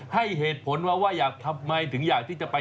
ให้เหตุผลมาว่าอยากทำไมถึงอยากที่จะไป